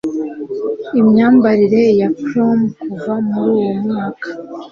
Imyambarire ya prom kuva muri uwo mwaka